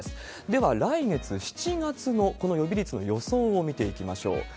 では、来月・７月のこの予備率の予想を見ていきましょう。